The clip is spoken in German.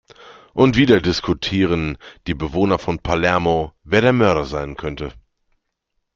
Und wieder diskutieren die Bewohner von Palermo, wer der Mörder sein könnte.